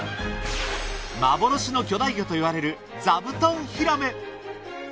幻の巨大魚といわれるざぶとんヒラメ。